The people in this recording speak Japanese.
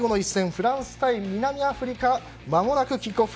フランス対南アフリカまもなくキックオフ。